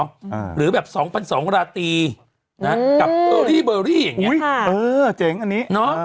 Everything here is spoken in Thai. อ่าหรือแบบสองพันสองราตีนะอืมอืมอย่างเงี้ยอุ้ยเออเจ๋งอันนี้เนอะ